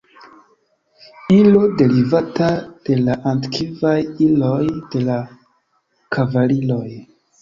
Ilo derivata de la antikvaj iloj de la kavaliroj.